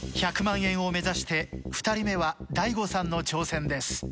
１００万円を目指して２人目は大悟さんの挑戦です。